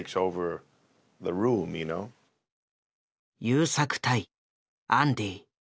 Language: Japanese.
優作対アンディ。